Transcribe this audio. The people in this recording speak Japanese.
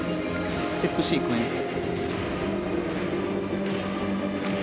ステップシークエンス。